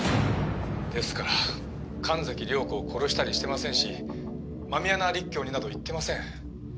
「ですから神崎涼子を殺したりしてませんし狸穴陸橋になど行ってません」